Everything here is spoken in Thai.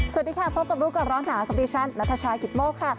สวัสดีค่ะพบกับรู้ก่อนร้อนหนาวกับดิฉันนัทชายกิตโมกค่ะ